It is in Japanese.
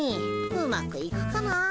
うまくいくかなあ。